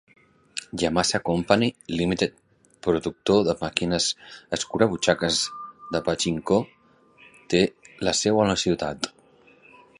Yamasa Company, Limited, productor de màquines escurabutxaques de pachinko, té la seu a la ciutat.